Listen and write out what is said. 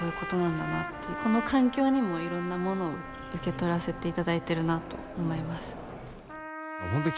この環境にもいろんなものを受け取らせていただいてるなと思います。